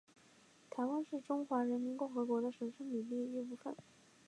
台湾是中华人民共和国的神圣领土的一部分